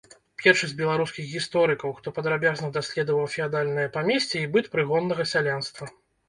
Першы з беларускіх гісторыкаў, хто падрабязна даследаваў феадальнае памесце і быт прыгоннага сялянства.